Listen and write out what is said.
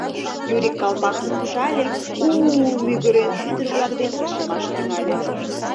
Юрик калпакым упшале, у-у-у! мӱгырен, ӱдыр-влак дек лишемаш тӱҥале.